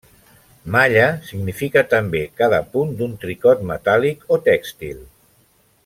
Malla significa també cada punt d'un tricot metàl·lic o tèxtil.